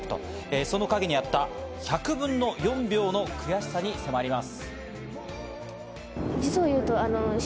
その影にあった１００分の４秒の悔しさに迫ります。